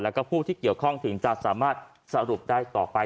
แล้วก็ผู้ที่เกี่ยวข้องถึงจะสามารถสรุปได้ต่อไป